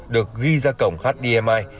được ghi ra cổng hdmi